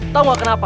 tau gak kenapa